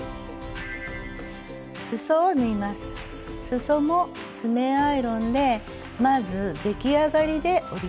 すそも爪アイロンでまず出来上がりで折ります。